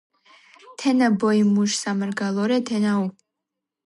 თენა ბოი მუშ სამარგალორე თენა უჰ